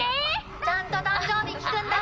ちゃんと誕生日聞くんだぞ。